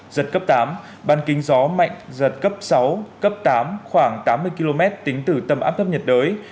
giật cấp tám ban kính gió mạnh giật cấp sáu cấp tám khoảng tám mươi km tính từ tâm áp thấp nhiệt đới